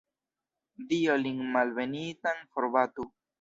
Dio lin malbenitan forbatu!